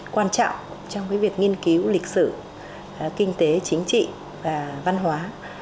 quan trọng trong việc nghiên cứu lịch sử kinh tế chính trị và văn hóa